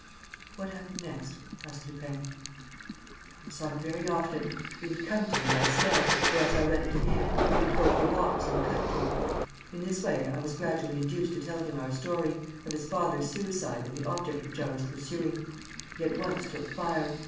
"What happened next?" asked Lupin. "I saw him very often. He would come to me by stealth, or else I went to him and we would go for walks in the country. In this way, I was gradually induced to tell him our story, of his father's suicide and the object which I was pursuing. He at once took fire.